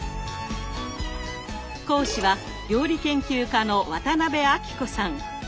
講師は料理研究家の渡辺あきこさん。